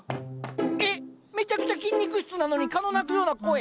えっめちゃくちゃ筋肉質なのに蚊の鳴くような声。